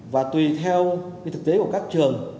và tùy theo thực tế của các trường